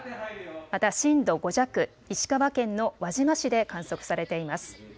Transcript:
また震度５弱、石川県の輪島市で観測されています。